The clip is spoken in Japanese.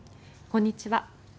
こんにちは。